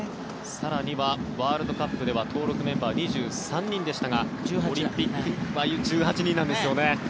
更にはワールドカップでは登録メンバーが２３人でしたがオリンピックは１８人なんですよね。